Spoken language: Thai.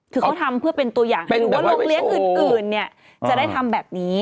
คือเค้าทำเพื่อเป็นตัวอย่างอื่นจะได้ทำแบบนี้